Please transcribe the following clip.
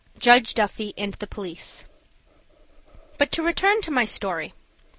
JUDGE DUFFY AND THE POLICE. BUT to return to my story.